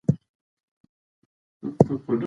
دې لپاره د سیمو اوسېدونکو مرسته مهمه ده.